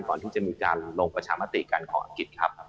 ก่อนที่จะมีการลงประชามติการของอังกฤษครับ